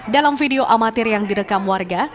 dalam video amatir yang direkam warga